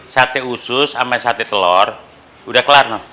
sate usus sama sate telur udah kelar no